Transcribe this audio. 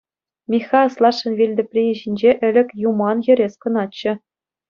Михха аслашшӗн вилтӑприйӗ ҫинче ӗлӗк юман хӗрес кӑначчӗ.